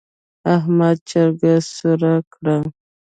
احمد چرګ سور کړ.